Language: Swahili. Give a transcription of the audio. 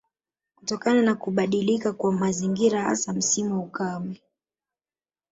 Kutokana na kubadilika kwa mazingira hasa msimu wa ukame